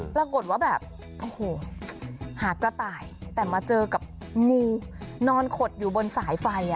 ปรากฏว่าแบบหากระต่ายแต่มาเจอกับงูนอนขดอยู่บนสายไฟ